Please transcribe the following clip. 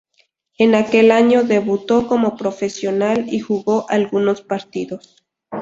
En aquel año debutó como profesional, y jugó algunos partidos.